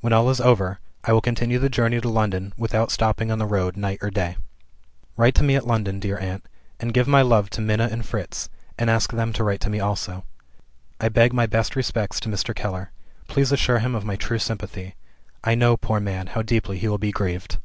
When all is over, I will continue the journey to London, without stopping on the road night or day. "Write to me at London, dear aunt; and give my love to Minna and Fritz and ask them to write to me also. I beg my best respects to Mr. Keller. Please assure him of my true sympathy; I know, poor man, how deeply he will be grieved."